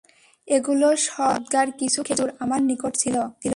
এগুলো সদকার কিছু খেজুর আমার নিকট ছিল।